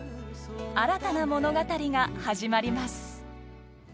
新たな物語が始まります。